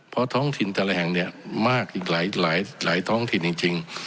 เพราะท้องถิ่นแต่ละแห่งเนี่ยมากอีกหลายท้องถิ่นจริง